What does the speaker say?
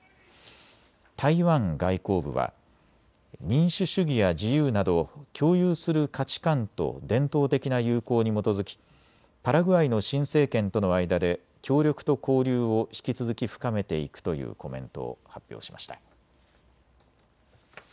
台湾外交部は民主主義や自由など共有する価値観と伝統的な友好に基づきパラグアイの新政権との間で協力と交流を引き続き深めていくというコメントを発表しました。